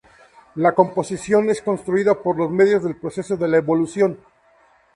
La composición es construida por los medios del proceso de la evolución.